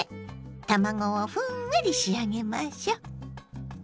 卵をふんわり仕上げましょ。